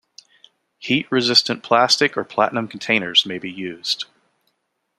Heat resistant plastic or platinum containers may be used.